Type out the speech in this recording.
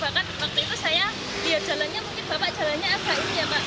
bahkan waktu itu saya lihat jalannya mungkin bapak jalannya agak ini ya pak